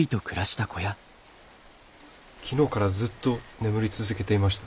昨日からずっと眠り続けていました。